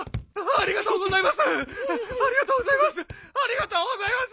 ありがとうございます。